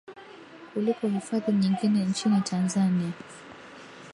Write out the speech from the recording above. kuliko hifadhi nyingine nchini Tanzania